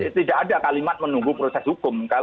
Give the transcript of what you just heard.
tidak ada kalimat menunggu proses hukum